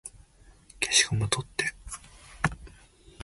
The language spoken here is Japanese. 消しゴム取って